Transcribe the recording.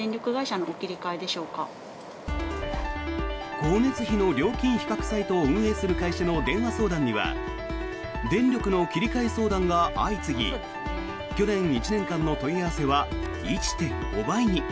光熱費の料金比較サイトを運営する会社の電話相談には電力の切り替え相談が相次ぎ去年１年間の問い合わせは１．５倍に。